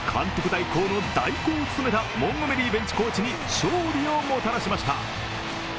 代行の代行を務めたモンゴメリー・ベンチコーチに勝利をもたらしました。